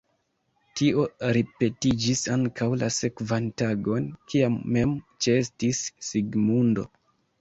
Tio ripetiĝis ankaŭ la sekvan tagon, kiam mem ĉeestis Sigmundo.